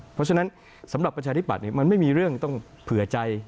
เพราะฉะนั้นสำหรับประชาธิปัตย์มันไม่มีเรื่องต้องเผื่อใจ